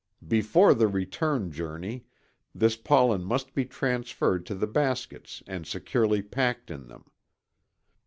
Before the return journey this pollen must be transferred to the baskets and securely packed in them.